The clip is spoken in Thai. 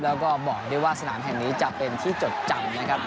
แล้วก็บอกได้ว่าสนามแห่งนี้จะเป็นที่จดจำนะครับ